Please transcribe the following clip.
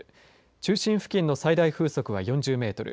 中心付近の最大風速は４０メートル。